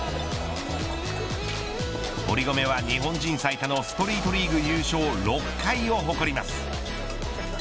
堀米は日本人最多のストリートリーグ優勝６回を誇ります。